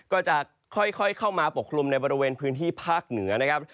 ก็จะค่อยเข้ามาปกคลุมในบริเวณพื้นที่ภาคเหนือนะครับ